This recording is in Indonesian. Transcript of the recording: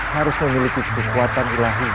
harus memiliki kekuatan